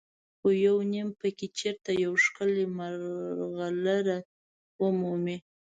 خو یو نیم پکې چېرته یوه ښکلې مرغلره ومومي.